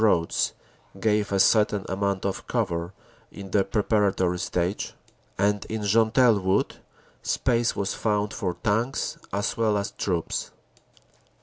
8 roads gave a certain amount of cover in the preparatory stage, and in Gentelles Wood space was found for tanks as well as troops.